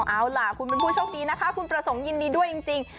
เอาล่ะคุณเป็นผู้โชคดีนะคะคุณประสงค์ยินดีด้วยจริง